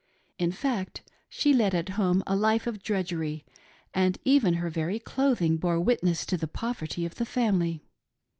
In fact, she led at home a life of drudgery, and even her very clothing bore witness to the poverty of the family.